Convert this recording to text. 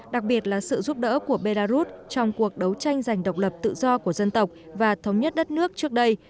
đặc biệt là sự giúp đỡ của belarus trong cuộc đấu tranh giành độc lập tự do của dân tộc và thống nhất đất nước trước đây